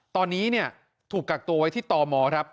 ตอนนี้ถูกกักตัวไว้ที่ตมครับ